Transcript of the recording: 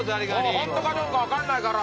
ホントかどうか分かんないから。